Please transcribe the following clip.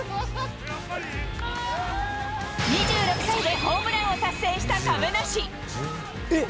２６歳でホームランを達成した亀梨。